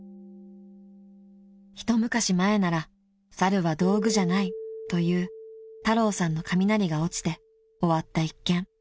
［一昔前なら「猿は道具じゃない！」という太郎さんの雷が落ちて終わった一件］